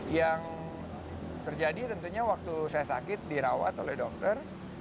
yang terjadi tentunya waktu saya sakit dirawat oleh dokter